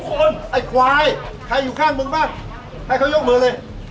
คนไอ้ควายใครอยู่ข้างมึงบ้างให้เขายกมือเลย